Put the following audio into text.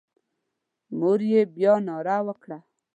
مور یې بیا ناره وکړه.